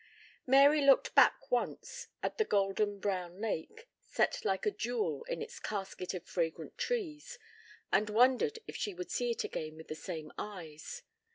Mary looked back once at the golden brown lake, set like a jewel in its casket of fragrant trees, and wondered if she would see it again with the same eyes.